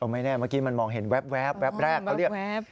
ไม่แน่เมื่อกี้มันมองเห็นแวบแวบแรก